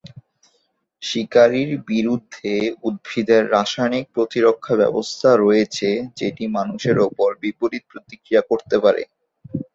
শিকারীর বিরুদ্ধে উদ্ভিদের রাসায়নিক প্রতিরক্ষা ব্যবস্থা রয়েছে যেটি মানুষের উপর বিপরীত প্রতিক্রিয়া করতে পারে।